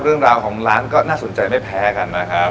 เรื่องราวของร้านก็น่าสนใจไม่แพ้กันนะครับ